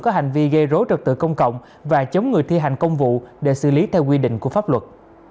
có hành vi gây rối trật tự công cộng và chống người thi hành công vụ để xử lý theo quy định của pháp luật